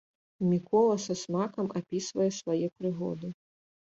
Мікола са смакам апісвае свае прыгоды.